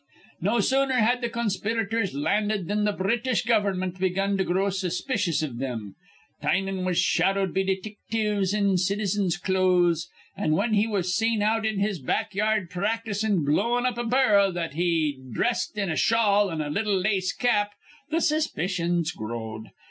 "No sooner had th' conspirators landed thin th' British gover'mint begun to grow suspicious iv thim. Tynan was shadowed be detictives in citizens' clothes; an', whin he was seen out in his backyard practisin' blowin' up a bar'l that he'd dhressed in a shawl an' a little lace cap, th' suspicions growed.